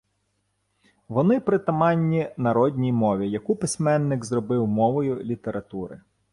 Вони притаманні народній мові, яку письменник зробив мовою літератури.